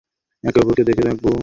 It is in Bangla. একে অপরকে দেখে রাখব।